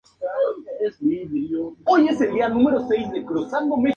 En febrero el grupo había firmado contrato pero aún les faltaba un nombre.